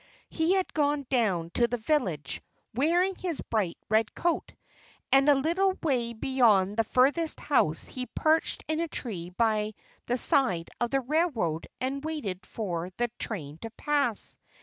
He had gone down to the village, wearing his bright red coat. And a little way beyond the furthest house he perched in a tree by the side of the railroad and waited for the train to pass.